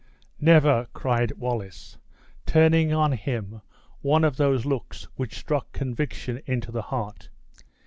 "Never," cried Wallace, turning on him one of those looks which struck conviction into the heart.